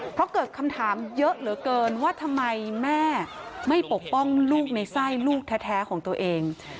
เพราะเกิดคำถามเยอะเหลือเกินว่าทำไมแม่ไม่ปกป้องลูกในไส้ลูกแท้ของตัวเอง